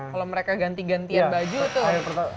kalau mereka ganti gantian baju tuh